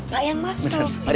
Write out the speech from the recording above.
pak yang masuk